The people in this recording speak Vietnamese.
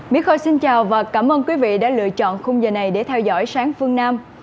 mỹ khôi xin chào và cảm ơn quý vị đã lựa chọn khung giờ này để theo dõi sáng phương nam